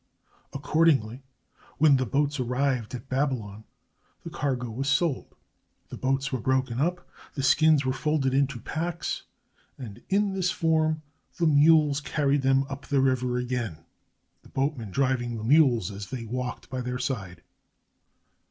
Ac cordingly, when the boats arrived at Babylon, the cargo was sold, the boats were broken up, the skins were folded into packs, and in this form the mules carried them up the river again, the boatmen driving the mules as they walked by their side.